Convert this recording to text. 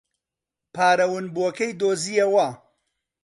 پارە ونبووەکەی دۆزییەوە.